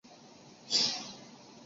现在参加希腊足球甲级联赛。